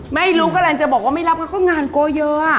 ไม่รู้กำลังจะบอกว่าไม่รับก็งานโก้เยอะ